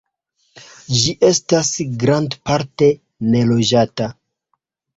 Ĝi estas grandparte neloĝata.